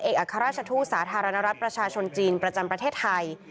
อัครราชทูตสาธารณรัฐประชาชนจีนประจำประเทศไทย